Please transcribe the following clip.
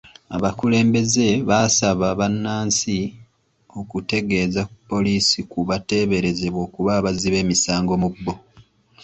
Abakulembeze baasaba bannansi okutegeeza poliisi ku bateeberezebwa okuba abazzi b'emisango mu bbo.